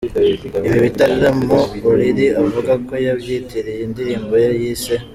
Ibi bitaramo Olili avuga ko yabyitiriye indirimbo ye yise.